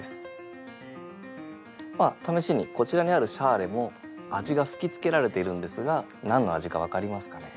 ためしにこちらにあるシャーレも味が吹きつけられているんですが何の味か分かりますかね？